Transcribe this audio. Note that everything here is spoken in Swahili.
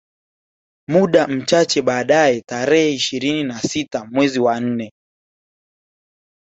Muda mchache baadae tarehe ishirini na sita mezi wa nne